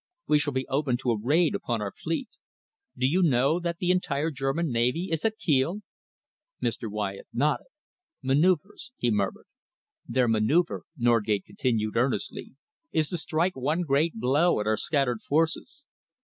We shall be open to a raid upon our fleet. Do you know that the entire German navy is at Kiel?" Mr. Wyatt nodded. "Manoeuvres," he murmured. "Their manoeuvre," Norgate continued earnestly, "is to strike one great blow at our scattered forces.